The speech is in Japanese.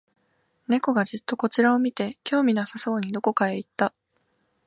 猫がじっとこちらを見て、興味なさそうにどこかへ行った